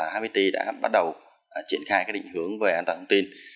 hpt đã bắt đầu triển khai định hướng về an toàn hệ thống tin